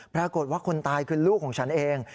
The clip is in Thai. ปรากฏว่าคนตายคือลูกของฉันเอง